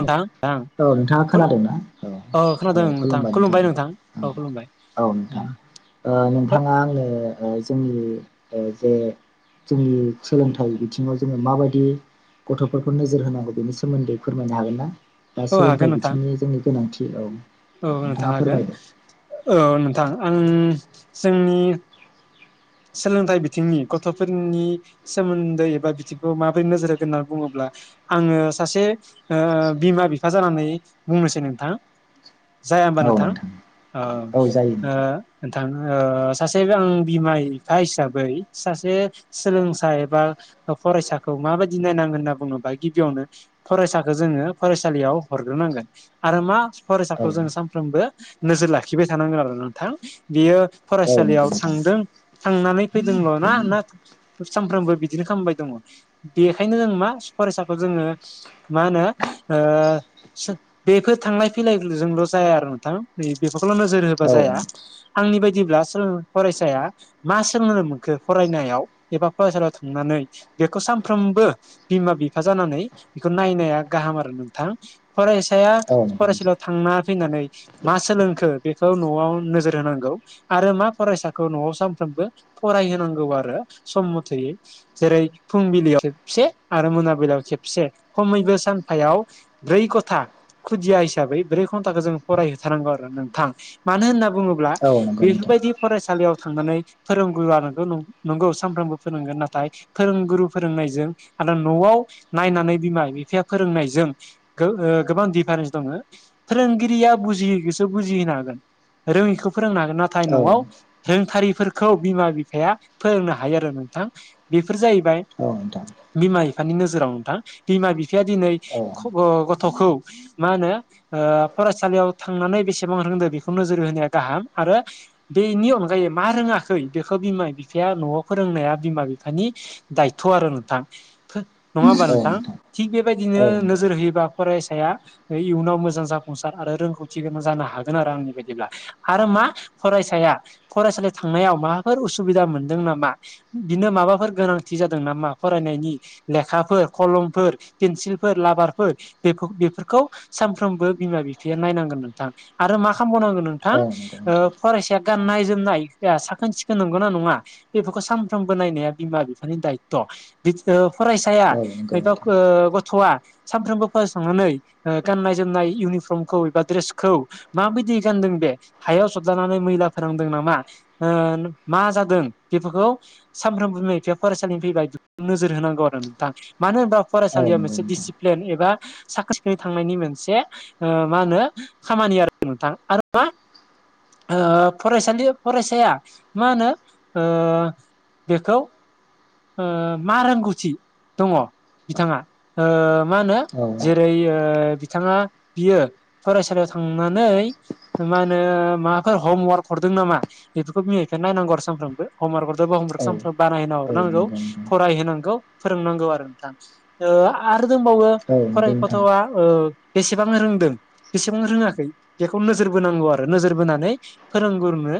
नोंथां नोंथां औ नोंथाङा खोनादोंना? औ औ खुलुमबाय नोंथां औ। औ नोंथां ओ नोंथाङा आंनो जोंनि जे जोंनि सोलोंथाइ बिथिङाव जोङो माबायदि गथ'फोरखौ नोजोर होनांगौ बेनि सोमोन्दै फोरमायनो हागोन ना? बा औ हागोन सोलोंथाइ नोंथां बिथिंनि जोंनि गोनांथि औ। औ नोंथाङा नोंथां हागोन फोरमायदो औ नोंथां आं जोंनि सोलोंथाइ बिथिंनि गथ'फोरनि सोमोन्दै एबा बिथिंखौ माबोरै नोजोर होगोन होन्ना बुङोब्ला आङो सासे ओ बिमा बिफा जानानै बुंनोसै नोंथां। जाया होमबा नोंथां ओ औ जायो ओ नोंथां नोंथां ओ सासेबो आं बिमाय हा हिसाबै सासे सोलोंसा एबा फरायसाखौ माबायदि नायनांगोन होनना बुङोबा गिबियावनो फरायसाखौ जोङो फरायसालियाव हरग्रोनांगोन। आरो मा औ फरायसाखौ जों सानफ्रोमबो नोजोर लाखिबाय थानांगोन आरो नोंथां बेयो औ नंगौ फरायसालियाव नोंथां थांदों थांनानै फैदोंल' ना ना सानफ्रोमबो बिदिनो खामबाय दङ। बेखायनो जों मा फरायसाखौ जोङो मा होनो ओ बेफोर थांलाय फैलायजोंल' जाया आरो नोंथां नै बेफोरखौल' नोजोर होबा औ औ जाया। आंनि बायदिब्ला सोलों फरायसाया मा सोलोंनो मोनखो फरायनायाव एबा फरायसालियाव थांनानै बेखौ सानफ्रोमबो बिमा बिफा जानानै बेखौ नायनाया गाहाम आरो नोंथां फरायसाया नंगौ नोंथां फरायसालियाव थांना फैनानै मा सोलोंखो बेखौ न'आव नोजोर होनांगौ आरो मा फरायसाखौ न'आव सा फ्रोमबो फरायहोनांगौ आरो सम मथेहै। जेरै फुंबिलियाव खेबसे आरो मोनाबिलियाव खेबसे खमैबो सानफायाव ब्रै खथा खुदिया हिसाबै ब्रै घन्टाखौ जों फरायहोथारनांगौ आरो नोंथां मानो होनना बुङो ब्ला औ नंगौ नोंथां बेफोरबायदि फरायसालियाव थांनानै फोरोंगुरुआ नोंखौ नंगौ सानफ्रोमबो फोरोंगोन नाथाय फोरोंगुरु फोरोंनायजों आरो न'आव नायनानै बिमा बिफाया फोरोंनायजों गो-ओ गोबां दिफारेन्स दङ फोरोंगिरिया बुजियैखोसो बुजिहोनो हागोन। रोङिखौ फोरोंनो हागोन नाथाय औ न'आव रोंथारिफोर खौ बिमा बिफाया फोरोंनो हायो आरो नोंथां बेफोर जाहैबाय औ नोंथां। बिमा बिफानि नोजोराव नोंथां बिमा बिफाया दिनै औ गथ'खौ मा होनो ओ फरायसालियाव थांनानै बेसेबां रोंदो बेखौ नोजोर होनाया गाहाम आरो बेनि अनगायै मा रोङा खै बेखौ बिमा बिफाया न'आव फोरोंनाया बिमा बिफानि दायथ' आरो नोंथां। नङा होमबा नोंथां थिग बेबायदिनो औ नंगौ नोजोर होयोबा फरायसाया इयुनाव मोजां जाफुंसार आरो रोंगौथि गोनां जानो हागोन आरो आंनि बायदिब्ला। आरो मा फरायसाया फरायसालि थांनायाव माबाफोर उसुबिदा मोनदों नामा बिदिनो माबाफोर गोनांथि जादों नामा फरायनायनि लेखाफोर, कलमफोर, पेन्सिलफोर, लाबारफोर बे बेफोरखौ सानफ्रोमबो बिमा बिफाया नायनांगोन नोंथां आरो मा खामबावनांगोन नों थां औ नंगौ ओ नोंथां फरायसाया औ गाननाय जोमनाय या साखोन सिखोन नंगौना नङा बेफोरखौ सानफ्रोमबो नायनाया बिमा बिफानि दायथ'। फरायसाया औ नंगौ नोंथां [unintelligible] गथ'आ सानफ्रोमबो फरायसा थांनानै ओ गाननाय जोमनाय इउनिफर्मखौ एबा ड्रेसखौ माबायदि गानदों बे हायाव सबजानानै मैला फोनांदों नामा ओ मा जादों बेफोरखौ सानफ्रोमबो बिमा बिफाया फरायसालिनि फैबाय बेफोरखौ नोजोर होनांगौ आरो नोंथां मानो होनबा औ फरायसालियाव नंगौ मोनसे नोंथां दिसिप्लेन एबा साखोन सिखोनै थांनायनि मोनसे मा ओ होनो खामानि आरो नोंथां आरो मा ओ फरायसालि फरायसाया मा होनो ओ बेखौ ओ मा रोंगौथि दङ बिथाङा मा होनो औ जेरै बिथाङा बियो फरायसालियाव थांनानै मा होनो माबाफोर हमवार्क हरदों नामा बेफोरखौ बिमा बिफाया नायनांगौ आरो सानफ्रोमबो हमवारक औ हरदोबा बानायना औ हरनांगौ नंगौ नोंथां [unintelligible] फाय होनांगौ फोरोंनांगौ आरो नोंथां आरो दंबावो औ नंगौ फरायफ नोंथां गथ'वा। ओ बेसेबां रोंदों? बेसेबां रोङाखै बेखौ नोजोर बोनांगौ आरो नोजोर बोनानै फोरोंगुरनो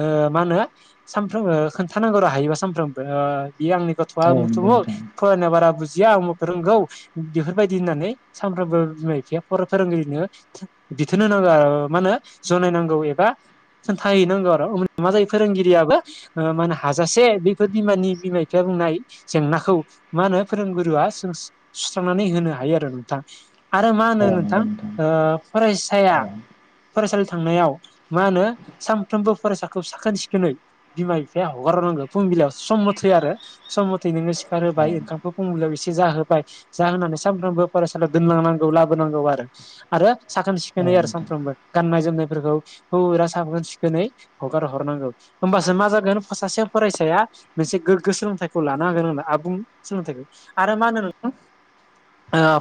ओ मा होनो सानफ्रोमबो खोन्थानांगौ र हायोबा सानफ्रामबो ओ बे आंनि गथ'आ औ उमुख नंगौ थमुख नोंथां फोरनो बारा बुजिया आं मुख रोंगौ। बेफोरबायदि होननानै सानफ्रोमबो बिमा बिफाया फोरोंगिरिनो बिथोन होनांगो मा होनो जनायनांगौ एबा खोनन्थाहैनांगौ आरो मा जायो फोरोंगिरियाबो ओ मानो हाजासे बेफोर बिमानि बिमा बिफाया बुंनाय जेंनाखौ मा होनो फोरोंगुरु आ [unintelligible] सुस्रांनानै होनो हायो आरो नोंथां। आरो मा होनो औ नोंथां नंगौ ओ फरायसाया। औ फरायसालि थांनायाव मा होनो सानफ्रोमबो फरायसाखौ साखोन सिखोनै बिमा बिफाया हगारनांगौ फुंबिलाइ सम मथै आरो सम मथै नोङो सिखार औ होबाय ओंखामखौ फुंबिलियाव एसे जाहोबाय जाहोनानै सानफ्रोमबो फरायसालियाव दोननांनांगौ लाबोनांगौ आरो आरो साखोन औ सिखोनै आरो नोंथां सानफ्रोमबो गाननाय जोमनायफोरखौ फुरा साखोन सिखोनै हगार हरनांगौ होमबासो मा जागोन सासे फरायसाया मोनसे गोग्गो सोलोंथाइखौ लानो हागोन होनना आबुं सोलोंथाइखौ आरो मा होनो नोंथां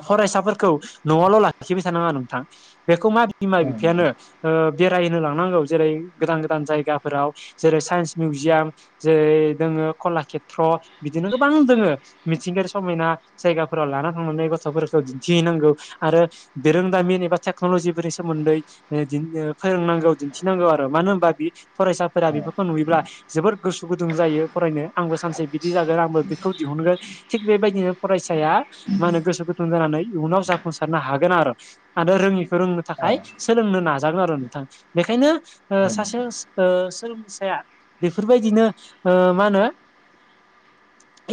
फरायसाफोरखौ न'आवल' लाखिबाय थानाङा नोंथां बेखौ मा बिमा औ बिफायानो नोंथां बेरायो लांनांगौ जेरै गोदान गोदान जायगाफोराव जेरै साइन्स मिउजियाम जेरै दोङो कलाषेत्र बिदिनो गोबां दोङो मिथिंगायारि समायना जायगाफोराव लाना थांनानै गथ'फोरखौ दिन्थिहैनांगौ आरो बिरोंदामिन एबा टेक्न'लजिफोरनि सोमोन्दै [unintelligible] फोरोंनांगौ दिन्थिनांगौ आरो मानो होनबा [unintelligible] फरायसाफोरा औ बेफोरखौ नुयोब्ला जोबोद गोसो गुदुं जायो फरायनो। आंबो सानसे बिदि जागोन आंबो बेखौ दिहुनगोन थिग बेबायदिनो फरायसाया माने गोसो गुदुं जानानै इयुनाव जाफुंसारनो हागोन आरो आरो रोंङिखौ रोंनो औ थाखाय सोलोंनो नाजागोन आरो नोंथां बेखायनो ओ औ सासे नोंथां ओ सोलोंसाया बेफोरबायदिनो ओ मा होनो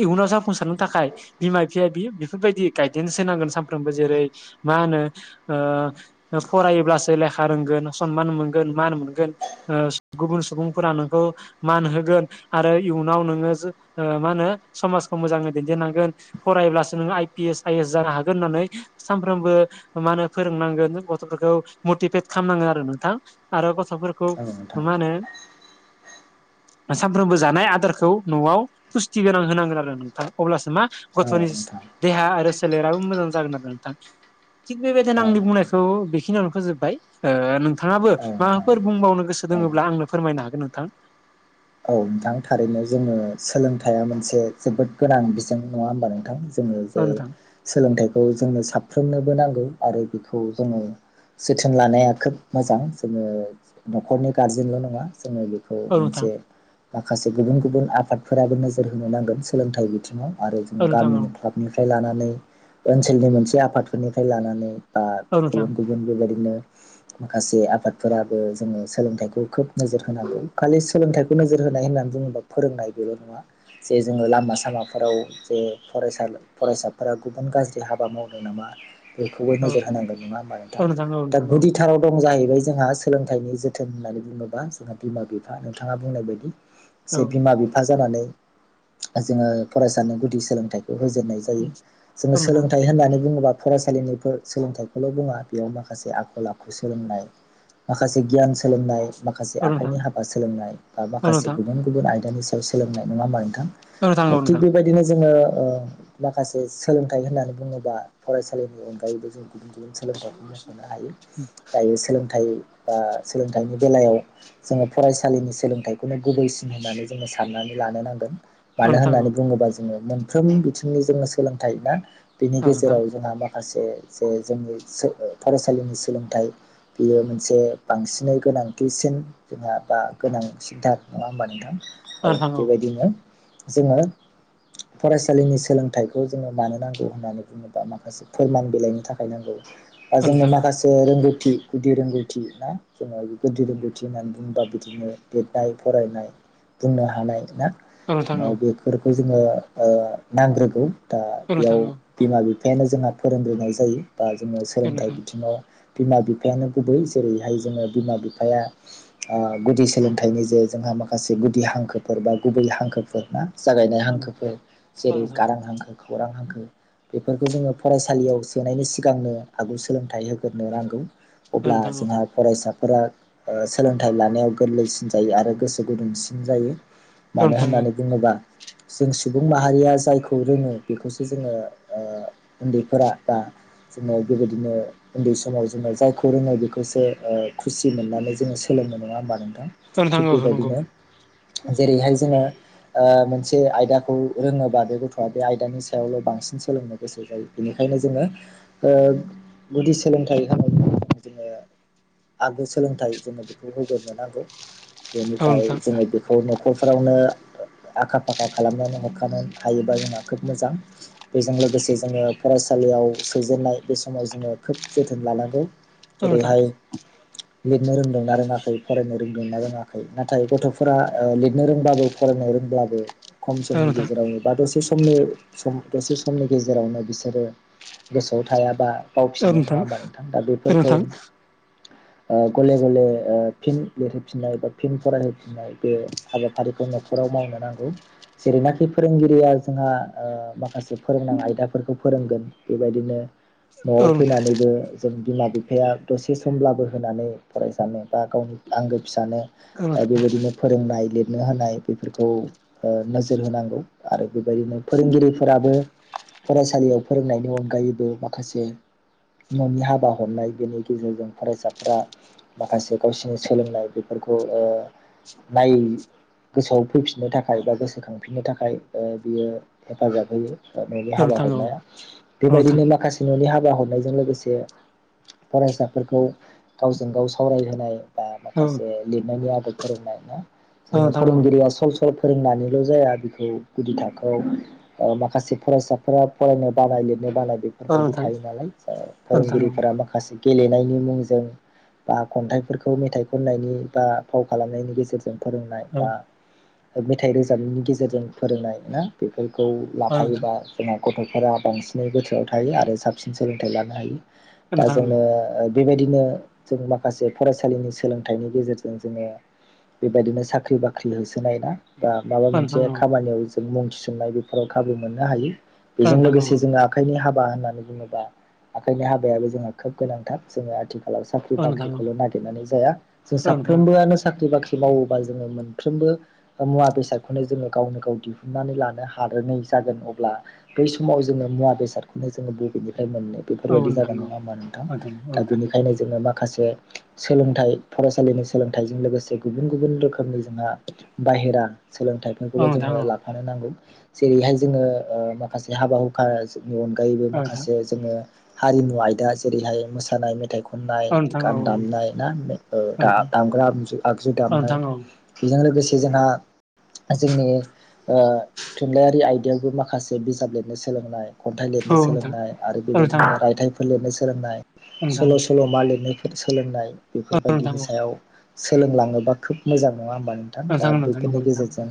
इयुनाव जाफुंसारनो थाखाय। बिमा बिफाया बियो बेफोरबायदि गायदेन्स होनांगोन सानफ्रोमबो जेरै मा होनो ओ ओ फरायोब्लासो लेखा रोंगोन सनमान मोनगोन मान मोनगोन ओ गुबुन सुबुंफोरा नोंखौ मान होगोन आरो इयुनाव नोंङो जों मा होनो समाजखौ मोजांङै दैदेननांगोन फरायब्लासो नोंङो I P S I S जानो हागोन होननानै सानफ्रोमबो मा होनो फोरोंनांगोन गथ'फोरखौ मटिभेट खालाम नांगोन आरो नोंथां आरो गथ'फोरखौ औ नोंथां औ [unintelligible] नोंथां मा होनो सानफ्रामबो जानाय दारखौ न'आव पुस्थि गोनां होनांगोन आरो नोंथां अब्लासो मा औ गथ'नि नोंथां देहा आरो सोलेराबो मोजां जागोन नोंथां। थिग बेबायदिनो औ आंनि बुंनायखौ बेखिनियावनो फोजोबबाय नोंथांङाबो नोंथां माबाफोर बुंबावनो गोसो औ दोङोब्ला आंनो फोरमायनो हागोन नोंथां? औ नोंथां थारैनो जोङो सोलोंथाइया मोनसे जोबोद गोनां बिजों नङा होमबा नोंथां? ओ औ जे नोंथां सोलोंथाइखौ जोंनो साफ्रोमनोबो नांगौ आरो बेखौ जोंङो जोथोन लानाया खोब मोजां जोंङो न'खरनि गारजेनल' नङा जोङो [unintelligible] खौ औ नोंथां मोनसे माखासे गुबुन गुबुन आफादफोराबो नोजोर होनो नांगोन सोलोंथाइ बिथिङाव आरो जोंङो औ नोंथां औ गामिनि क्लाब [unintelligible] फ्राय लानानै ओनसोलनि मोनसे आफादफोरनिफ्राय लानानै बा औ नोंथां गुबुन गुबुन जों बेबायदिनो माखासे आफादफोराबो जोंङो सोलोंथाइखौ खोब नोजोर होनांनै खालि सोलोंथाइ नोजोर होनाय होननानै बुङोबा फोरोंनाय बेल' नङा। जे जोंङो लामा सामाफोराव जे फरायसाल फरायसाफोरा गुबुन गाज्रि हाबा मावदों नामा? बेखौबो औ नोजोर होनांगौ नङा ओमबा औ नोंथां औ दा नोंथां औ गुदिथाराव दं जाहैबाय जोंहा सोलोंथाइनि जोथोन होननानै बुङोबा जोंहा बिमा बिफा नोंथाङा बुंनाय बायदि औ जे बिमा बिफा जानानै जोंङो फरायसानो गुदि सोलोंथाइखौ होजेननायज जायो जों नोंथां सोलोंथाइ होननानै बुंङोबाब फरायसालिनि फो सोलोंथाइखौल' बुङा बेयाव माखासे आखल आखु सोलोंनाय माखासे गियान सोलोंनाय माखासे औ नोंथां औ नोंथां औ नोंथां औ नोंथां औ नोंथां औ नोंथां औ नोंथां औ नोंथां औ नोंथां औ नोंथां औ नोंथां औ नोंथां औ आखाइनि हाबा सोलोंनाय बा माखासे गुबुन गुबुन आयदानि सायाव सोलोंनाय नङा ओमबा नोंथां? ओ थिग बेबायदिनो जोंङो ओ माखासे सोलोंथाइ होननानै बुङोबा फरायसालिनि अनगायैबो जों गुबुन गुबुन सोलोंथाइखौ मख'नो हायो दायो सोलों थाइ बा सोलोंथाइनि बेलायाव जोंङो फरायसालिनि सोलों थाइखौनो गुबैसिन होननानै जोंङो साननानै लानो नांगोन मानो होननानै बुङोब्ला जोंङो मोन फ्रोम बिथिंनि जोंनो सोलोंथाइ मा बेनि गेजेराव जोंहा माख खासे जे जोंनि सो फरायसालिनि सोलोंथाइ बियो मोनसे बांसिनै गोनांथिसिन जोंहा बा गोनां सिथार नङा ओमबा नोंथां औ बेबायदिनो जोंङो फरायसालिनि सोलोंथाइखौ जोंनो मानो नांगौ होननानै बुङोबा माखास फोरमान बिलाइनि थाखाय नांगौ बा जोंनो माखास [unintelligible] रोंगौथि गुदि रोंगौथि ना जोंङो गुदि रोंगौथि होननानै बुङोबा बिदिनो लिरनाय फरायनाय बुंनो हानाय ना ओ बे फोरखौ जोंङो ओ नांग्रोगौ दा बेयाव बिमा बिफायानो जोंहा फोरोंग्रोनाय जायो बा जोङो सोलोंथाइ बिथिङाव बिमा बिफायानो गुबै जेरैहाय जोङो बिमा बिफाया ओ गुदिस सोलोंथाइनि जे जोंहा माखासे गुदि हांखोफोर बा गुबै हांखोफोर ना? जागायनाय हांखोफोर जेरै औ गारां हांखो खौरां हांखो बेफोरखौ जोङो फरायसालियाव सोनायनि सिगांनो आगु सोलोंथाइ होगोरनो नांगौ। अब्ला नोंथां औ जोंहा फरायसाफोरा ओ सोलोंथाइ लानायाव गोरलैसिन जायो आरो गोसो गुदुंसिन जायो औ मानो नोंथां औ होननानै बुङोबा जों सुबुं माहारिया जायखौ रोङो बेखौसो जोङो ओ उन्दैफोरा दा जोङो बेबायदिनो उन्दै समाव जोङो जायखौ रोंनाय बेखौसो ओ खुसि मोननानै जोङो सोलोंनो नङा ओमबा नोंथां औ नोंथां थिग औ नंगौ बेबायदिनो जेरैहाय जोङो ओ मोनसे आयदाखौ रोङोबा बे गथ'आ बे आयदानि सायावल' बांसिन सोलोंनो गोसो [unintelligible] बेनिखायनो जोङो ओ गुदि सोलोंथाइ होनायनि [unintelligible] जोङो आगु सोलोंथाइ जोङो बेखौ होगोरनोनांगौ औ बेनिफ्राय नोंथां जोङो बे खौ न'खरफोरावनो आखा फाखा खालामनानै हरखानो हायोबा जोङा खोब मोजां बेजों लोगोसे जोङो फरायसालियाव सोजेननाय बे समाव जोङो खोब जोथोन लानांगौ। औ नोंथां जेरैहाय लिरनो रोंदोंनाा रोङाखै फरायनो रों दोंना रोङाखै नाथाय गथ'फोरा ओ लिरनो रोंब्लाबो फरायनो रोंब्लाबो खम औ समनि नोंथां गेजेरावनो बा दसे समनि सम दसे समनि गेजेरावनो बिसोरो गोसोआव थायाबा बावफिनो नङा ओमबा नोंथां दा बेफोरखौ ओ गले गले ओ फिन लिरहोफिननाय बा फिन फरायहोफिननाय बे हाबाफारिखौ न'खराव मावनो नांगौ। जेरैनाखि फोरोंगिरिया जोंहा ओ माखासे फोरोंनां आयदाफोरखौ फोरोंगोन बेबायदिनो औ नोंथां औ न'आव फैनानैबो जों बिमा बिफाया दसे समब्लाबो होनानै फरायसानो बा गावनि आंगो फिसानो औ ओ बेबायदिनो फोरोंनाय लिरनो होनाय बेफोरखौ ओ नोजोर होनांगौ आरो बेबायदिनो फोरोंगिरिफोराबो फरायसालियाव फोरोंनायनि अनगायैबो माखासे न'नि हाबा हरनाय बेनि गेजेरजों फरायसाफोरा माखासे गावसि नि सोलोंनाय बेफोरखौ ओ नाय गोसोआव फैफिननो थाखाय बा गोसोखांफिननो थाखाय ओ बियो हेफाजाब होयो। ओ न'नि हाबा नोंथां औ हरनाया नोंथां औ नोंथां बेबायदिनो माखासे न'नि हाबा हरनायजों लोगोसे फरायसाफोरखौ गावजों गाव सावरायहोनाय बा औ माखासे लिरनायनि आदब फोरोंनाय ना औ जेनेबा नोंथां औ फोरोंगिरिया सम स्कुल फोरोंनानैल' जाया बेखौ गुदि थाखोआव ओ माखासे फरायसाफोरा फरायनो बानाय लिरनो बानाय बे औ फोरबायदि नोंथां थायो नालाय ओ औ नोंथां फोरोंगिरिफोरा औ मा खासे गेलेनायनि मुंजों बा खन्थाइफोरखौ मेथाइ खननायनि बा फाव खालामनायनि गेजेरजों फोरोंनाय बा मेथाइ रोजाबनायनि गेजेरजों फोरोंनाय ना बेफोरखौ औ नोंथां औ नोंथां लाफायोबा जोंना गथ'फोरा बांसिनै गोसोआव थायो आरो साबसिन सोलोंथाइ लानो हायो दा जोंनो औ ओ बेबायदिनो जों माखासे फरायसा लिनि सोलोंथाइनि गेजेरजों जोङो बेबायदिनो साख्रि बाख्रि होसोनाय ना बा माबा नोंथां मोनसे औ नोंथां औ नोंथां औ नोंथां औ नोंथां औ नोंथां औ नोंथां औ नोंथां औ नोंथां औ नोंथां औ नोंथां औ नोंथां औ नोंथां औ नोंथां औ नोंथां खामानियाव जों मुं थिसननाय बेफोराव खाबु मोननो हायो नोंथां बेजों नंगौ नोंथां औ नोंथां औ औ नोंथां औ लोगोसे जोंहा आखाइनि हाबा होननानै बुङोबा आखाइनि हाबायाबो जोंहा खोब गोनांथार जोङो आथि खालाव साख्रि बाख्रिखौल' नागिरनानै जाया जों साफ्रोमबो नो साख्रि बाख्रि मावोबा जोङो मोनफ्रोमबो मुवा बेसादखौनो जोङो गावनो गाव दिहुनन्नानै लानो हाग्रोनै जागोन अब्ला बै समाव जोङो मुवा बेसादखौनो जोङो बबेनिफ्राय मोननो बेफोरबायदि जागोन नङा होमबा नोंथां दा बेनिखायनो जोङो माखासे सोलोंथाइ फरायसालिनि सोलोंथाइजों लोगोसे गुबुन गुबुन रोखोमनि जोंहा बाहेरा सोलोंथाइ बेखौबो जोङो लाफानो नांगौ जेरैहाय जोङो ओ माखासे हाबा खा अनगायैबो माखासे जोङो हारिमु आयदा जेरैहाय मोसानाय मेथाइ खनाय खनाय गान दामनाय ना ओ-दा-दामग्रा आगजु दामनाय बेजों लोगोसे जोंहा जोंनि ओ थुनलाइयारि आयदायावबो माखासे बिजाब लिरनो सोलोंनाय खन्थाइ लिरनो सोलोंनाय आरो बेबायदिनो रायथाइफोर लिरनो सोलोंनाय सल' सल' मा लिरनायफोर सोलोंनाय बेफोरबायाददिनि सायाव सोलोंलाङोबा खोब मोजां नङा होमबा नों थां दा बेफोरनि गेजेरजों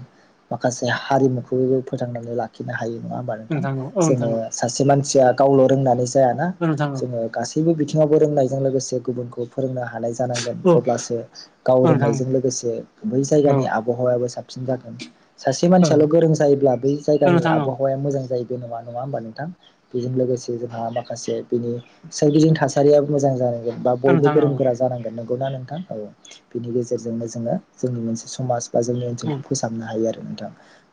माखासे हारिमुखौबो फोथांनानै लाखिनो हायो नङा होमबा नोंथां जोङो सासे मानसिया गावल' रोंनानै जायाना जोङो गासैबो बिथिङावबो रोंनायजों लोगोसे गुबुनखौ फोरोंनो हानाय जा जानांगोन अब्लासो गाव औ नोंथां औ रोंनायजों लोगोसे बै औ जायगानि आबहावा याबो साबसिन जागोन सासे औ मानसियाल' गोरों जायोब्ला बै औ जायगानि नोंथां औ आबहावाया मोजां जायो बे नङा नङा होमबा नोंथां। बेजों लोगोसे जोंहा माखासे बिनि सोरगिदि थासारियाबो मोजां जानांगोन। बा बयबो औ नोंथां औ गोरों गोरा जानांगोन नंगौना नोंथां औ बिनि गेजेरजोंनो जोङो जोंनि मोनसे समाज दा जोंनि औ ओनसोलखौ फोसाबनो हायो आरो नोंथां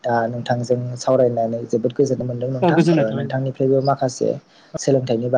दा नोंथांजों सावरायनानै जोबोद गोजोननाय मोनदों औ नोंथां गोजोननाय थाबाय नोंथां। नोंथांनिफ्रायबो माखासे सोलोंथाइनि बा